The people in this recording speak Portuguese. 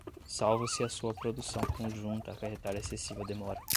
salvo se a sua produção conjunta acarretar excessiva demora